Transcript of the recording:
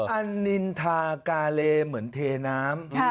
อันนินทากาเลเหมือนเทน้ำ